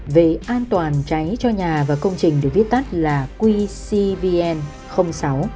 về an toàn cháy cho nhà và công trình được viết tắt là qcvn sáu